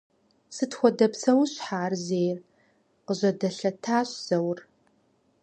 — Сыт хуэдэ псэущхьэ ар зейр? — къыжьэдэлъэтащ Заур.